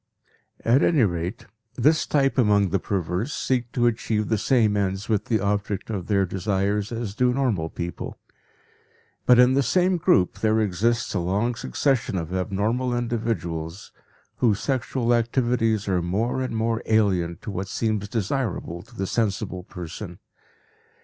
At any rate, this type among the perverse seek to achieve the same ends with the object of their desires as do normal people. But in the same group there exists a long succession of abnormal individuals whose sexual activities are more and more alien to what seems desirable to the sensible person.